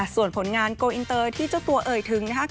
ส่วนผลงานโกอินเตอร์ที่เจ้าตัวเอ่ยถึงนะครับ